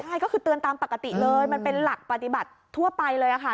ใช่ก็คือเตือนตามปกติเลยมันเป็นหลักปฏิบัติทั่วไปเลยค่ะ